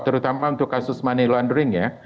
terutama untuk kasus money laundering ya